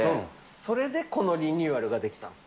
それでこのリニューアルが出来たんです。